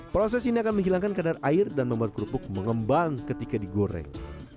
proses ini akan menghilangkan kadar air dan membuat kerupuk mengembang ketika digoreng